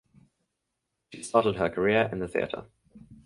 She started her career in the theatre.